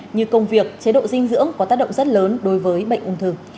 như công việc chế độ dinh dưỡng có tác động rất lớn đối với bệnh ung thư